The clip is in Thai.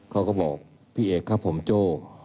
เขาก็บอกพี่เอกครับผมโจ้